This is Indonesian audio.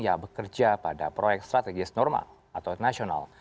yang bekerja pada proyek strategis normal atau nasional